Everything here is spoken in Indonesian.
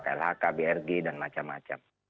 klhk brg dan macam macam